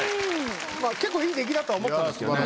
結構いい出来だとは思ったんですけどね。